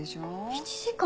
１時間？